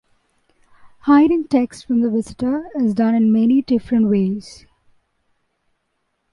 Hiding text from the visitor is done in many different ways.